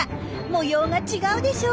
模様が違うでしょ。